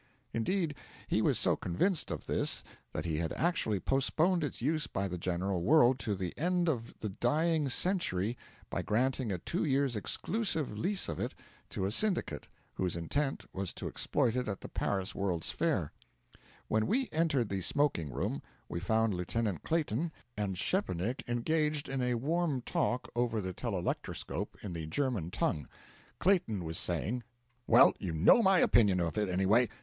Indeed, he was so convinced of this that he had actually postponed its use by the general world to the end of the dying century by granting a two years' exclusive lease of it to a syndicate, whose intent was to exploit it at the Paris World's Fair. When we entered the smoking room we found Lieutenant Clayton and Szczepanik engaged in a warm talk over the telelectroscope in the German tongue. Clayton was saying: 'Well, you know my opinion of it, anyway!'